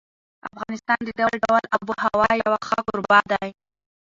افغانستان د ډول ډول آب وهوا یو ښه کوربه دی.